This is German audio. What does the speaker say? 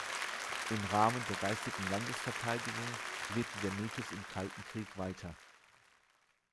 Im Rahmen der Geistigen Landesverteidigung lebte der Mythos im Kalten Krieg weiter.